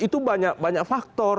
itu banyak faktor